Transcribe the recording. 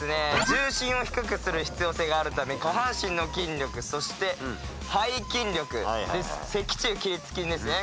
重心を低くする必要性があるため下半身の筋力そして背筋力脊柱起立筋ですね